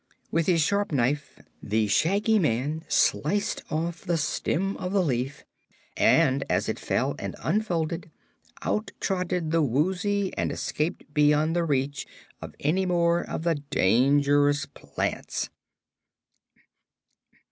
With his sharp knife the Shaggy Man sliced off the stem of the leaf and as it fell and unfolded out trotted the Woozy and escaped beyond the reach of any more of the dangerous plants.